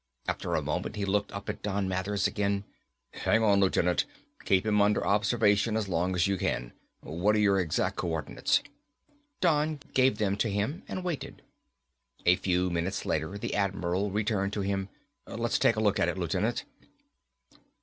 After a moment, he looked up at Don Mathers again. "Hang on, Lieutenant. Keep him under observation as long as you can. What're your exact coordinates?" Don gave them to him and waited. A few minutes later the Admiral returned to him. "Let's take a look at it, Lieutenant."